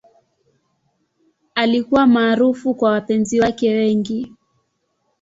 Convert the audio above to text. Alikuwa maarufu kwa wapenzi wake wengi.